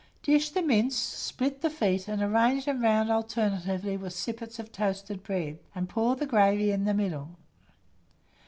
Dish the mince, split the feet, and arrange them round alternately with sippets of toasted bread, and pour the gravy in the middle.